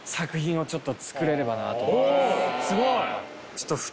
おすごい！